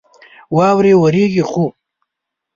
واورې اوريږي ،خو